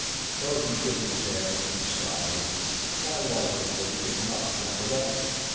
Tarzan shook his head and sighed. Why was it that he could not recollect?